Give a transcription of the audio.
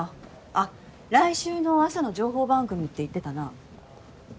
あっ来週の朝の情報番組って言ってたな。